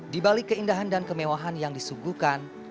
di balik keindahan dan kemewahan yang disuguhkan